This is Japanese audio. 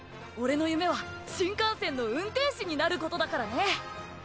俺の夢は新幹線の運転士になることだからね。